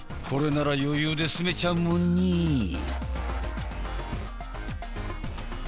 これなら余裕で住めちゃうもんねえ。